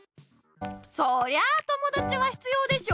そりゃあともだちは必要でしょ！